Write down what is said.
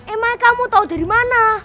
emang kamu tahu dari mana